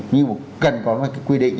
nhưng mà cần có cái quy định